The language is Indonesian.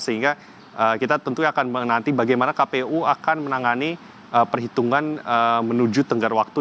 sehingga kita tentunya akan menanti bagaimana kpu akan menangani perhitungan menuju tenggar waktu